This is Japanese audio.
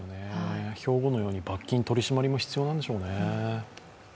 兵庫のように罰金・取り締まりも必要なんでしょうね。